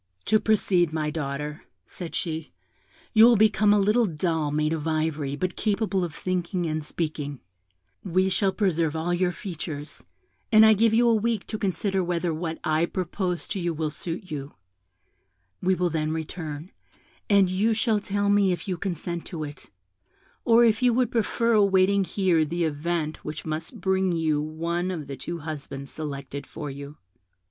'To proceed, my daughter,' said she, 'you will become a little doll made of ivory, but capable of thinking and speaking; we shall preserve all your features, and I give you a week to consider whether what I propose to you will suit you; we will then return, and you shall tell me if you consent to it, or if you would prefer awaiting here the event which must bring you one of the two husbands selected for you.'